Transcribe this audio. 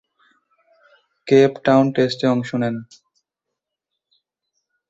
Cape Town টেস্টে অংশ নেন।